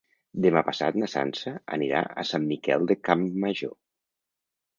Demà passat na Sança anirà a Sant Miquel de Campmajor.